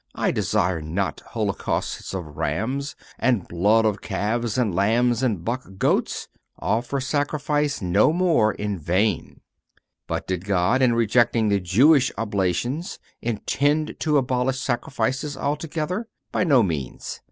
I desire not holocausts of rams, ... and blood of calves and lambs and buck goats ... Offer sacrifice no more in vain."(395) But did God, in rejecting the Jewish oblations, intend to abolish sacrifices altogether? By no means.